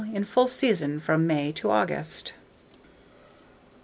In full season from May to August.